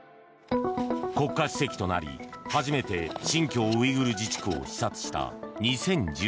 国家主席となり初めて新疆ウイグル自治区を視察した２０１４年。